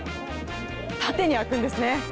縦に開くんですね。